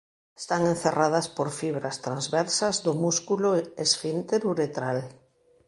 Están encerradas por fibras transversas do músculo esfínter uretral.